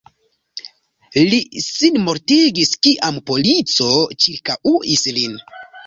Li sinmortigis kiam polico ĉirkaŭis lin.